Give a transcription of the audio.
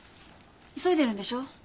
急いでるんでしょ？